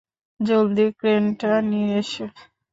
জলদি ক্রেনটা নিয়ে এসো।